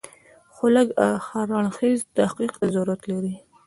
خو لږ هر اړخیز تحقیق ته ضرورت لري.